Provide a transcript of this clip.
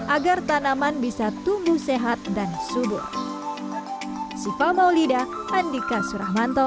agar tanaman bisa tumbuh sehat dan subur